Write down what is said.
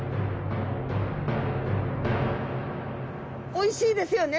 おいしいですよね？